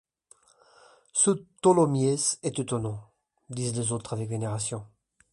Ce Tholomyès est étonnant, disaient les autres avec vénération.